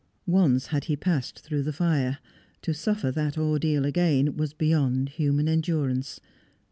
Once had he passed through the fire; to suffer that ordeal again was beyond human endurance.